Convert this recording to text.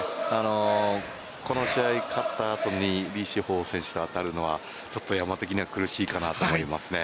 この試合、勝ったあとに李詩ハイ選手に当たるのはちょっと山的には苦しいかなと思います。